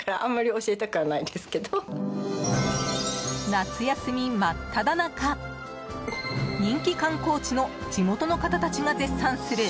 夏休み真っただ中人気観光地の地元の方たちが絶賛する